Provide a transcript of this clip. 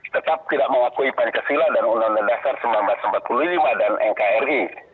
tetap tidak mengakui pancasila dan undang undang dasar seribu sembilan ratus empat puluh lima dan nkri